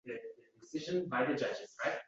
Qonun ijodkorligi xalqchillashdi.